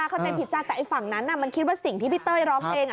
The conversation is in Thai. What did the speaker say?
แต่ไอ่ฝั่งนั้นน่ะมันคิดว่าสิ่งที่พี่เต้ยร้องเพลง